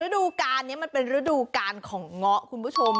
ดูการนี้มันเป็นฤดูการของเงาะคุณผู้ชม